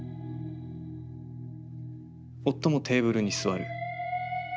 夫もテーブルに座る。